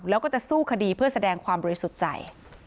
แล้วก็จะสู้คดีเพื่อแสดงความบริสุทธิ์ใจ